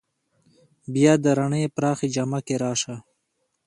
بیا د رڼې پرخې جامه کې راشه